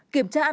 kiểm tra an toàn